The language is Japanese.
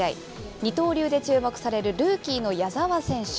二刀流で注目されるルーキーの矢澤選手。